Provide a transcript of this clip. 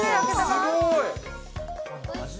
すごい！